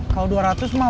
kalau dua ratus mah